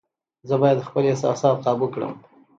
زه باید خپل احساسات قابو کړم.